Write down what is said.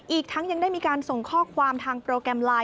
อีกทั้งยังได้มีการส่งข้อความทางโปรแกรมไลน